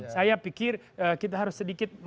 saya pikir kita harus sedikit